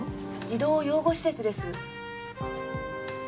児童養護施設です。